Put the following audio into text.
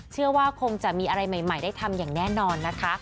เชื่อว่าคงจะมีอะไรใหม่ได้ทำอย่างแน่นอนนะคะ